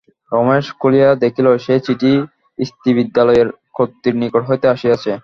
রমেশ খুলিয়া দেখিল, সে চিঠি স্ত্রীবিদ্যালয়ের কর্ত্রীর নিকট হইতে আসিয়াছে।